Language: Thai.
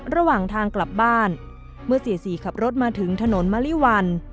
ระหว่างทางกลับบ้านเมื่อเสียสีขับรถมาถึงถนนมะลิวัน